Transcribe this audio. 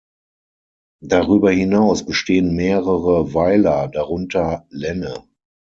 Darüber hinaus bestehen mehrere Weiler, darunter Lenne.